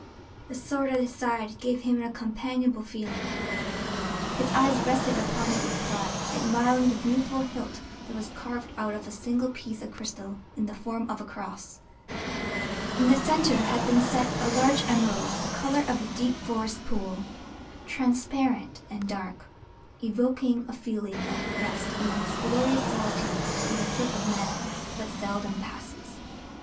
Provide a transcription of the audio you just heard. The sword at his side gave him a companionable feeling; his eyes rested upon it with pride, admiring the beautiful hilt that was carved out of a single piece of crystal in the form of a cross. In the centre had been set a large emerald the colour of a deep forest pool, transparent and dark, evoking a feeling of rest amongst glorious solitudes where the foot of man but seldom passes.